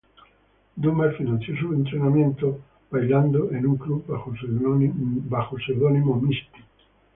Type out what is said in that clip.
Dumas financió su entrenamiento bailando en un club bajo seudónimo Misty.